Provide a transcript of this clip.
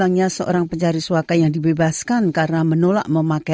adanya perombakan besar besaran pada sektor pendidikan dan perawatan anak usia dini